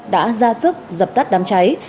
đã ra sức dập tắt đám cháy